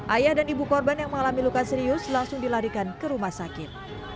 ayah dan ibu korban yang mengalami luka serius langsung dilarikan ke rumah sakit